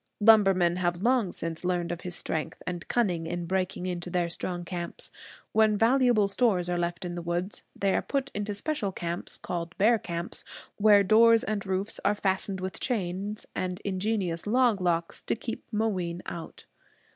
Lumbermen have long since learned of his strength and cunning in breaking into their strong camps. When valuable stores are left in the woods, they are put into special camps, called bear camps, where doors and roofs are fastened with chains and ingenious log locks to keep Mooween out.